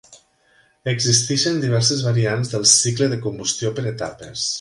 Existeixen diverses variants del cicle de combustió per etapes.